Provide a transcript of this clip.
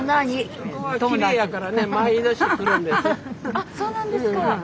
あっそうなんですか。